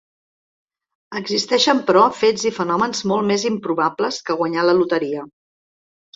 Existeixen però fets i fenòmens molt més improbables que guanyar la loteria.